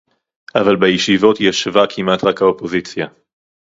אבל בישיבות ישבה כמעט רק האופוזיציה